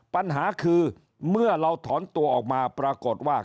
ปัญหาคือเมื่อเราถอนตัวออกมาปรากฏว่า